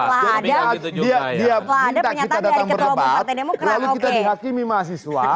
dia minta kita datang berdebat lalu kita dihakimi mahasiswa